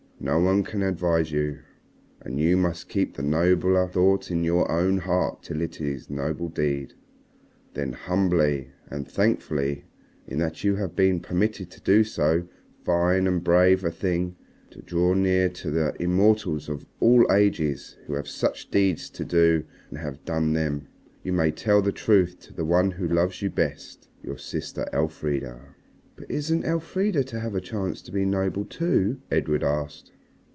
No one can advise you. And you must keep the nobler thought in your own heart till it is a noble deed. Then, humbly and thankfully in that you have been permitted to do so fine and brave a thing and to draw near to the immortals of all ages who have such deeds to do and have done them, you may tell the truth to the one who loves you best, your sister Elfrida." "But isn't Elfrida to have a chance to be noble too?" Edred asked.